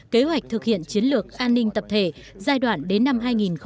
kế hoạch thực hiện chiến lược an ninh tập thể giai đoạn đến năm hai nghìn hai mươi